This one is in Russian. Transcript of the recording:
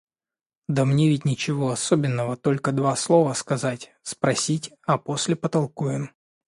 Да мне ведь ничего особенного, только два слова сказать, спросить, а после потолкуем.